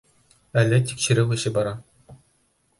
Әле тикшереү эше бара.